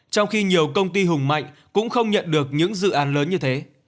trong khi nhiều công ty hùng mạnh cũng không nhận được những dự án lớn như thế